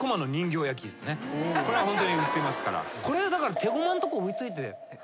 これはホントに売ってますから。